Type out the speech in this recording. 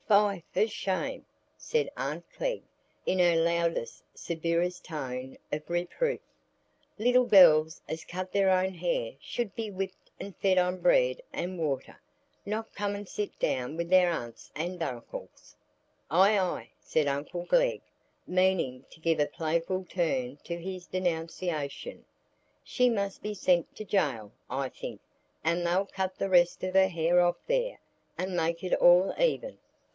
"Fie, for shame!" said aunt Glegg, in her loudest, severest tone of reproof. "Little gells as cut their own hair should be whipped and fed on bread and water,—not come and sit down with their aunts and uncles." "Ay, ay," said uncle Glegg, meaning to give a playful turn to this denunciation, "she must be sent to jail, I think, and they'll cut the rest of her hair off there, and make it all even."